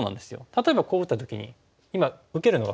例えばこう打った時に今受けるのが普通ですよね。